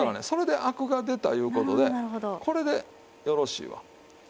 それでアクが出たいう事でこれでよろしいわ。